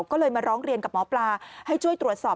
ก็เลยมาร้องเรียนกับหมอปลาให้ช่วยตรวจสอบ